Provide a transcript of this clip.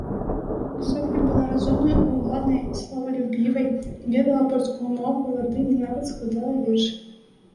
Соф'я была разумнай, уладнай, славалюбівай, ведала польскую мову, латынь і нават складала вершы.